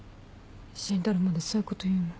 慎太郎までそういうこと言うの。